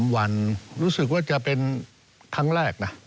๓วันรู้สึกว่าจะเป็นครั้งแรกนะ